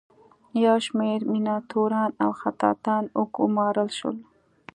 یو شمیر میناتوران او خطاطان وګومارل شول.